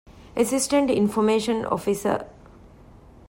އެެސިސްޓެންޓް އިންފޮމޭޝަން އޮފިސަރ